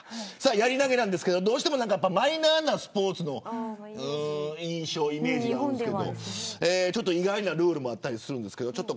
やり投げなんですけどどうしてもマイナーなスポーツの印象があるんですけど意外なルールもあったりするんです。